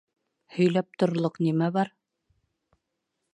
— Һөйләп торорлоҡ нимә бар?